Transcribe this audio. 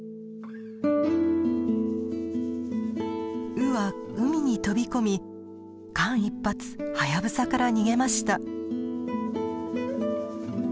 ウは海に飛び込み間一髪ハヤブサから逃げました。